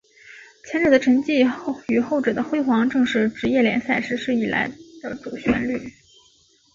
前者的沉寂与后者的辉煌正是职业联赛实施以来的主旋律。